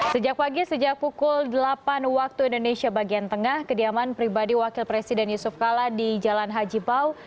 sejak pagi sejak pukul delapan waktu indonesia bagian tengah kediaman pribadi wakil presiden yusuf kala di jalan haji bau